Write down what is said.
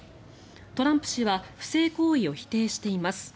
トランプ氏は不正行為を否定しています。